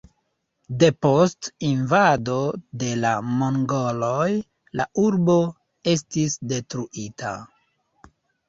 Depost invado de la mongoloj la urbo estis detruita.